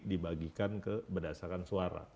dibagikan ke berdasarkan suara